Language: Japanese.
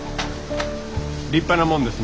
立派なもんですな。